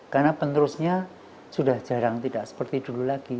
karena penerusnya sudah jarang tidak seperti dulu lagi